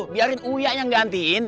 biarin uya yang gantiin